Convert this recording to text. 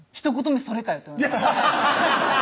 目それかよと思いました